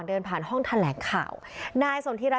สมบัติการพลังมีชาติรักษ์ได้หรือเปล่า